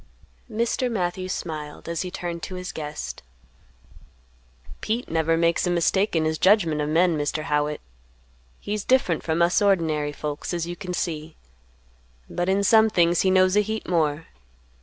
Mr. Matthews smiled, as he turned to his guest. "Pete never makes a mistake in his judgment of men, Mr. Howitt. He's different from us ordinary folks, as you can see; but in some things he knows a heap more.